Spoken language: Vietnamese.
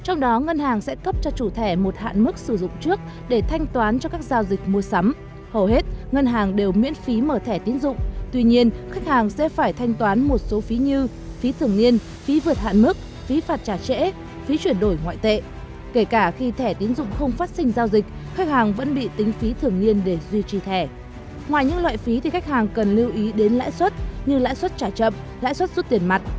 ngoài những loại phí thì khách hàng cần lưu ý đến lãi suất như lãi suất trả chậm lãi suất rút tiền mặt